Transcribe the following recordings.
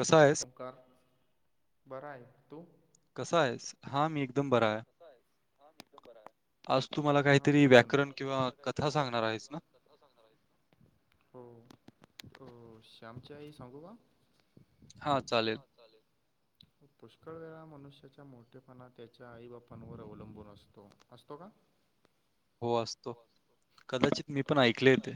कसा आहेस. का बरं आहे. तू कसा आहेस. हा मी [unintelligible] हा मी तर बरा आहे. आज तू मला काहीतरी व्याकरण किंवा कथा सांगणार आहेस ना? कथा सांगणार आहेस हो हो, श्यामची आई सांगू का? हा चालेल. पुष्कळ वेळा मनुष्याच्या, मोठेपणा त्यांच्या आई बाप पाणवर अवलंबून असतो, असतो का? हो असतो. कदाचित मी पण ऐकले तेे,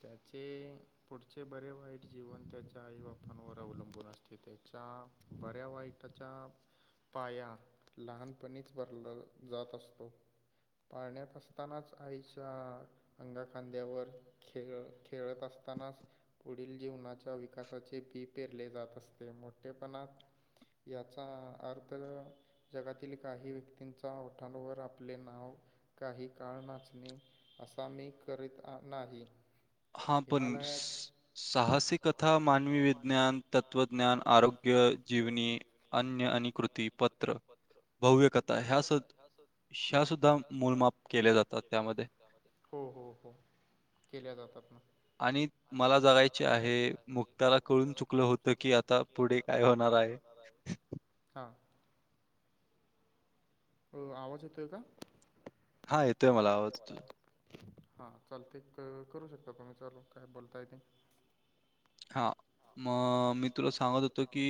त्याचे पुढचे बरे वाईट जीवन त्याच्या आई बापांवर अवलंबून असते, त्याच्या बऱ्या वाईटाच्या पाया लहानपणीच भरला जात असतो. पाळण्यात असतानाच आई अंगाखांद्यावर खेळ, खेळत असतानाच पुढील जीवनाच्या विकासाचे बी पेरले जात असते, मोठेपणात याचा अर्थ जगातील काही व्यक्तींचा ओठांवर आपले नाव काही काळ नाचणे असा मी करीत आ नाही. हा पण सं साहसी कथा, मानवी विज्ञान, तत्त्वज्ञान आरोग्य जीवनी अन्य आणि कृती पत्र, भव्य कथा ह्या स श्या सुद्धा मूलमाप केल्या जातात त्यामध्ये. हो हो हो, केल्या जातात ना. आणि मला जगायचे आहे, मुक्ताला कळून चुकलं होतं की आता पुढे काय होणार आहे. [unintelligible] हां हो, आवाज यतोय का? हा येतोय मला आवाज. हा चालतंय, करू शकता तुम्ही चालू काय बोलताय तेे. हा, मग मी तुला सांगत होतो की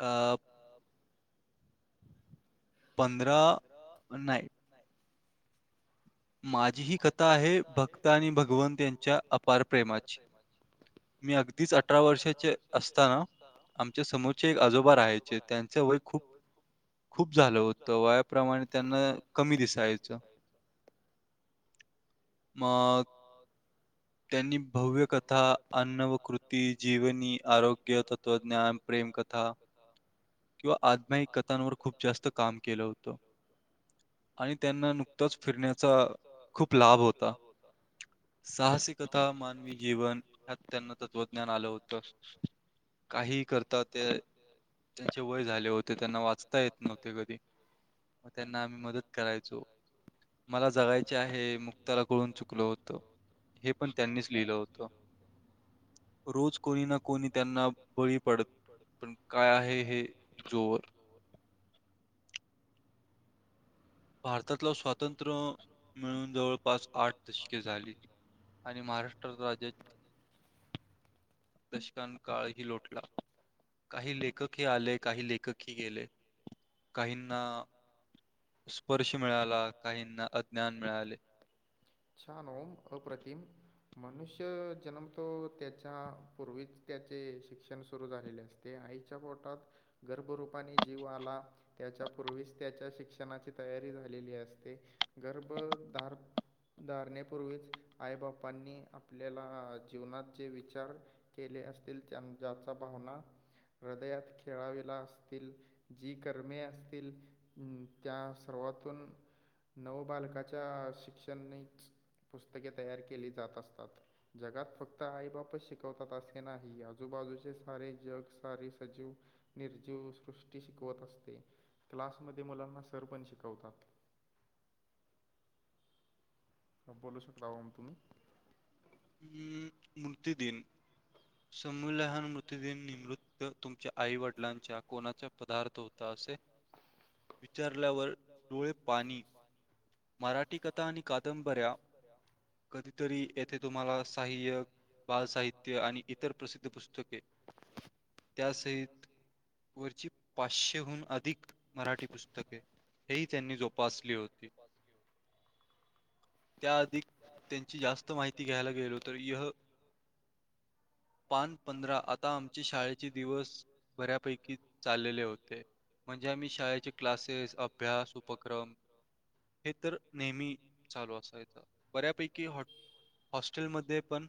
अ पंधरा नाय माझी ही कथा आहे, भक्त आणि भगवंत यांच्या अपार प्रेमाची. मी अगदीच अठरा वर्षाचे असताना, आमच्या समोरचे एक आजोबा राहायचे त्यां वय खूप, खूप झालं होतं वयाप्रमाणे त्यांना कमी दिसायचं. मग त्यांनी भव्य कथा, अन्नवकृती, जीवनी आरोग्य, तत्वज्ञान, प्रेम कथा. कथा किंवा आत्मयिक कथांवर खूप जास्त काम केलं होतं. आणि त्यांना नुकताच फिरण्याचा खूप लाभ होता. साहसिकता, मानवी जीवन ह्यात त्यांना तत्त्वज्ञान आलं होतं. [inaudible] काही करता ते, त्यांचे वय झाले होते त्यांना वाचता येत नव्हते कधी. मग त्यांना आम्ही मदत करायचो. मला जगायचे आहे मुक्ताला कळून चुकलं होतं. हे पण त्यांनीच लिहिलं होतं. रोज कोणी ना कोणी त्यांना बळी पडत, पण काय आहे हे जोवर भारतातला स्वातंत्र्य मिळून जवळपास आठ दशके झाली. आणि महाराष्ट्र राज्यात दशकां काळही लोटला. काही लेखक ह आले काही लेखक ह गेले काहींना स्पर्श मिळाला काहींना अज्ञान मिळाले. छान आहे, अप्रतिम मनुष्य जन्म तो त्याच्या पूर्वीच त्याचे शिक्षण सुरू झालेले असते. ते आईच्या पोटात गर्भरूपाने जीव आला, त्याच्या पूर्वीच त्याच्या शिक्षणाचे तयारी झालेली असते. गर्भधार धारणेपूर्वीच आईबापांनी आपल्याला जीवनात जे विचार केले असतील त्यां ज्याचा भावना हृदयात खेळावेला असतील, जी कर्मे असतील, त्या सर्वातून नव बालकाच्या शिक्षणनेच पुस्तके तयार केली जात असतात. जगात फक्त आई बापच शिकवतात असे नाही आजूबाजूचे सारे जग सारे सजीव निर्जीवसृष्टी शिकवत असते क्लासमध्ये मुलांना सर पण शिकवतात. ह बोलू शकता मग तुम्ही, हम् मृतदन समलहन मृत्यदन निमृत तुमच्या आई वडिलांच्या कोणाचा पदार्थ होता असे विचारल्यावर डोळे पाणी मराठी कथा आणि कादंबऱ्या कधीतरी येत. ते तुम्हाला साहाय्यक बालसाहित्य आणि इतर प्रसिद्ध पुस्तके त्यासहित वरची पाचशेहून अधिक मराठी पुस्तके हे ह त्यांनी जोपासली होती. तोपास घेऊ [inaudible] त्याआधी त्यांची जास्त माहिती घ्यायला गेलो तर यह पान पंधरा आता आमचे शाळेचे दिवस बऱ्यापैकी चाललेले होते. म्हणजे आम्ही शाळेचे क्लासेस अभ्यास उपक्रम हे तर नेहमी चालू असायचं बऱ्यापैकी हॉ हॉस्टेलमध्ये पण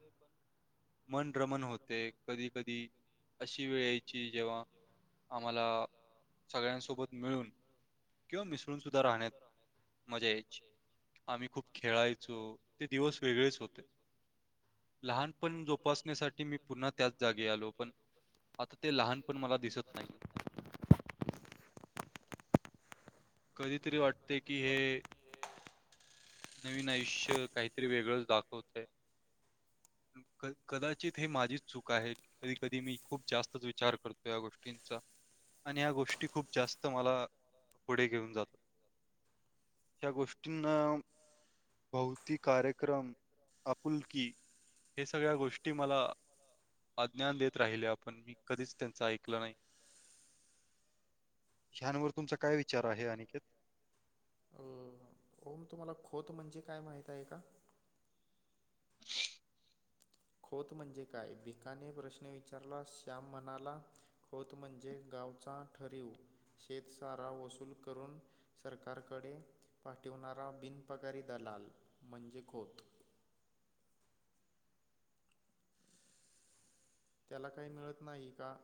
मन रमन होते कधी कधी अशी वेळ यायची जेव्हा आम्हाला सगळ्यांसोबत मिळून किंवा मिसळून सुद्धा राहण्यात मजा यायची आम्ही खूप खेळायचो ते दिवस वेगळेच होते लहानपण जोपासण्यासाठी मी पुन्हा त्याच जागे आलो, पण आता ते लहान पण मला दिसत नाही. कधीतरी वाटते की हे नवीन आयुष्य काहीतरी वेगळंच दाखवतय. कदाचित हे माझीच चूक आहे. कधी कधी मी खूप जास्तच विचार करतो या गोष्टींचा आणि या गोष्टी खूप जास्त मला पुढे घेऊन जातात ह्या गोष्टींना भौतिक कार्यक्रम आपुलकीी हे सगळ्या गोष्टी मला आज्ञान देत राहील्या पण मी त्याचा कधी चा ऐकलं नाही. शानवर तुमचा काय विचार आहे अनिकेत ओम तुम्हाला खोत म्हणजे काय माहीत आहे का? खोत म्हणजे काय भिकाने प्रश्न विचारला श्याम म्हणाला. खोत म्हणजे गावचा ठरीव शेतसारा वसूल करून सरकारकडे पाठवणारा बिनपगारी दलाल म्हणजे खोत. त्याला काही मिळत नाही का?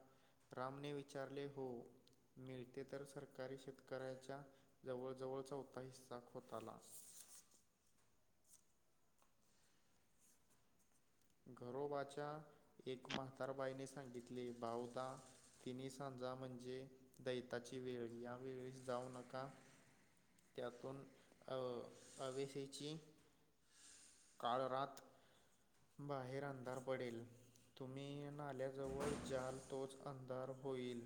रामने विचारले हो. मिळते तर सरकारी शेतकऱ्याच्या जवळजवळ चौथा हिस्सा खोताला. घरोबाच्या एक म्हातारबाईने सांगितले भाऊदा तिन्ही सांजा म्हणजे दैताची वेळ या वेळेस जाऊ नका. त्यातून आवेसीची काळ रात बाहेर अंधार पडेल तुम्ही नाल्याजवळ जाल तोच अंधार होईल.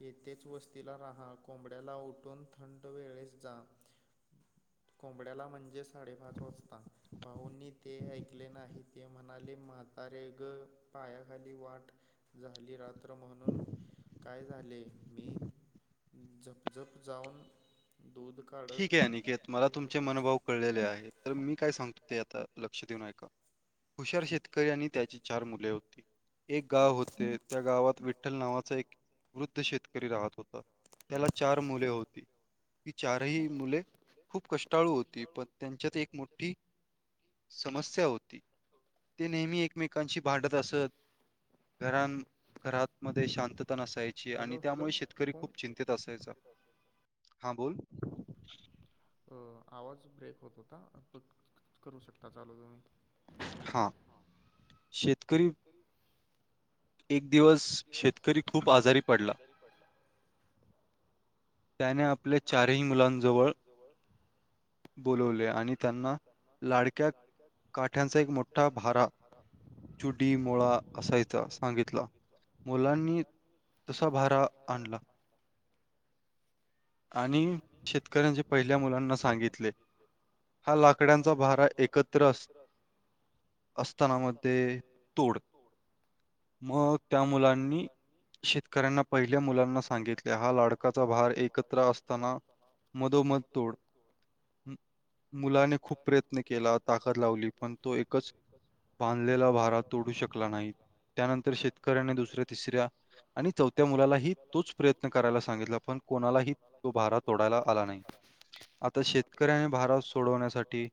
येथेच वस्तीला राहा कोंबड्याला उठून थंड वेळेस जा कोंबड्याला म्हणजे साडेपाच वाजता भाऊंनी ते ऐकले नाहीत. ते म्हणाले म्हातारे ग पायाखाली वाट झाली रात्र म्हणून काय झाले मी झपझप जाऊन दुध काढ ठीक आहे अनिकेत मला तुमचे मनोभाव कळलेले आहे तर मी काय सांगतो ते आता लक्ष देऊन ऐका हुशार शेतकरी आणि त्याची चार मुले होती एक गाव होते त्या गावात विठ्ठल नावाचा एक वृद्ध शेतकरी राहत होता त्याला चार मुले होती ही मुले खूप कष्टाळू होती पण त्यांच्यात एक मोठी समस्या होती ते नेहमी एकमेकांशी भांडत असत घरां घरातमध्ये शांतता नसायची आणि त्यामुळे शेतकरी खूप चिंतेत असायचा हा बोल. आवाज ब्रेक होत होता पण करू शकता चालू तुम्ही. हा शेतकरी एक दिवस शेतकरी खूप आजारी पडला. त्याने आपल्या चारही मुलांजवळ बोलावले आणि त्यांना लाडक्या काठ्यांचा एक मोठा भारा चुडी मोळा असायचा सांगितला मुलांनी तसा भारा आणला. आणि शेतकऱ्यांचे पहिल्या मुलांना सांगितले हा लाकड्यांचा भारा एकत्र अस असताना मध्ये तोड मग त्या मुलांनी शेतकऱ्यांना पहिल्या मुलांना सांगितले हा लाकडाचा भार एकत्र ताना मधोमध तोड मुलाने खूप प्रयत्न केला ताकद लावली पण तो एकच बांधलेला भारा तोडू शकला नाही त्यानंतर शेतकऱ्यांने दुसऱ्या तिसऱ्या आणि चौथ्या मुलालाही तोच प्रयत्न करायला सांगितला पण कोणालाही तो भारा तोडायला आला नाही आता शेतकऱ्याने भारा सोडवण्यासाठी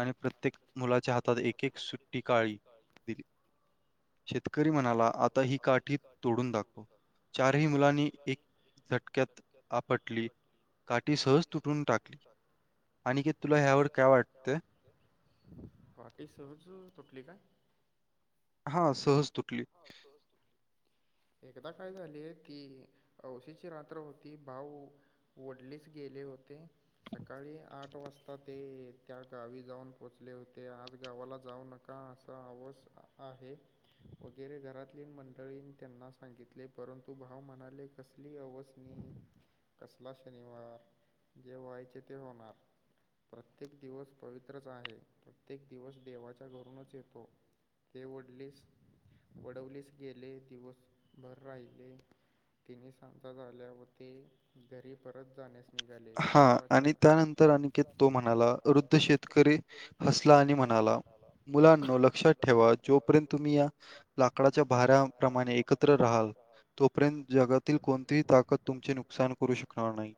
आणि प्रत्येक मुलाच्या हातात एक एक सुट्टी काळी दिली शेतकरी म्हणाला आता ही काठी तोडून दाखव चारही मुलांनी एक झटक्यात पटली काठी सहज तुटून टाकली अनिकेत तुला ह्यावर काय वाटते. काटी सहज तुटली का. हा सहज तुटली हां सहज तुटली एकदा काय झाले की औशीची रात्र होती भाऊ वढलेच गेले होते सकाळी आठ वाजता ते त्या गावी जाऊन पोहोचले होते आज गावाला जाऊ नका का अस आवस आहे वगैरे घरातील मंडळीं त्यांना सांगितले परंतु भाव म्हणाले कसली अवस् नाही कसला शनिवार जे व्हायचे ते होणार. प्रत्येक दिवस पवित्रच आहे प्रत्येक दिवस देवाच्या घरूनच येतो. ते वडलीस वडवलीस गेले दिवसभर राहिले तिन्हीसांजा झाल्या वरती घरी परत जाण्यास निघालेरो आणि त्यानंतर आ तो म्हणाला हसला आणि म्हणाला मुलांनो लक्षात ठेवा जोपर्यंत तुम्ही या लाकडाच्या भाऱ्याप्रमाणे एकत्र राहाल, तोपर्यंत जगातील कोणतीही ताकद तुमचे नुक सान करू शकणार नाही,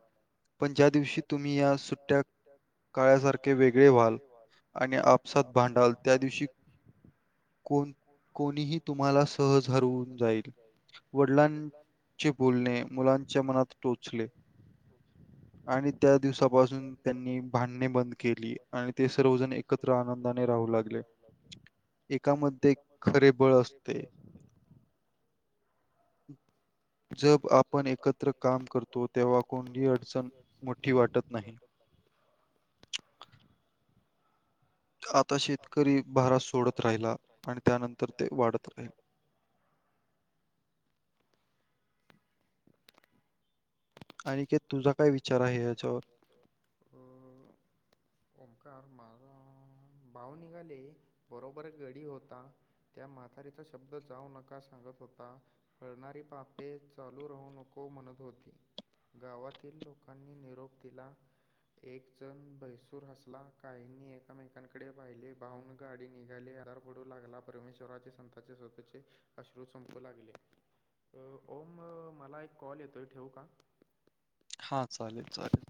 पण ज्या दिवशी तुम्ही या सुट्ट्या काळ्यासारखे वेगळे व्हाल आणि आपसात भांडाल त्या दिवशी कोण कोणीही तुम्हाला सहज हरवून जाईल. वडिलांचे बोलणे, मुलांच्या मनात टोचले. आणि त्या दिवसापासून त्यांनी भांडणे बंद केली आणि ते सर्वजण एक त्र आनंदाने राहू लागले, एकामध्ये खरे बळ असते. [inaudible] जब आपण एकत्र काम करतो, तेव्हा कोणतीही अडचण मोठी वाटत नाही. आता शेतकरी भारा सोडत राहिला आणि त्यानंतर ते वाढत राहील. [unintelligible] अनिकेत तुझा काय विचार आहे याच्यावर? ओमकार माझा भाऊ निघाले बरोबर गडी होता त्या म्हातारीचा शब्द जाऊ नका सांगत होता. हळणारी पापे चालू राहू नको म्हणत होती गावात ल लोकांनी निरोप दिला. एक जण बैसूर हसला काहींनी एकमेकांकडे पाहिले भाहुन गाडी निघाले. पडू लागला परमेश्वराचे संतताचे स्वतःचे अश्रू संपू लागले ओम मला एक कॉल येतोय ठेवू का? हा चालेल चालेल.